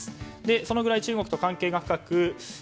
そのぐらい中国と関係が深く。